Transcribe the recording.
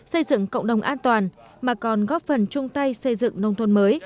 xây dựng cộng đồng an toàn mà còn góp phần chung tay xây dựng nông thôn mới